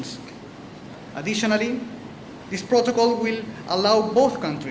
selain itu protokol ini akan membolehkan kedua negara